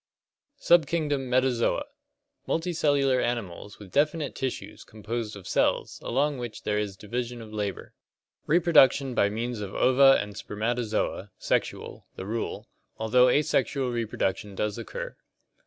Subkingdom metazoa (Gr. ftcra, after, and £oW, animal). Mul ticellular animals with definite tissues composed of cells, among which there is division of labor. Reproduction by means of ova and sper matozoa (sexual) the rule, although asexual reproduction does occur.